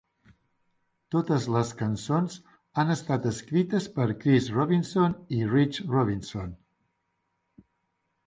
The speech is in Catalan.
Totes les cançons han estat escrites per Chris Robinson i Rich Robinson.